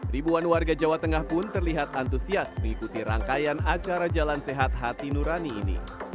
ribuan warga jawa tengah pun terlihat antusias mengikuti rangkaian acara jalan sehat hati nurani ini